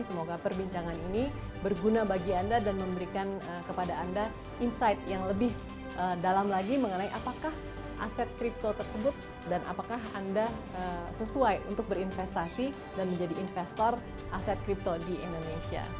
semoga perbincangan ini berguna bagi anda dan memberikan kepada anda insight yang lebih dalam lagi mengenai apakah aset kripto tersebut dan apakah anda sesuai untuk berinvestasi dan menjadi investor aset kripto di indonesia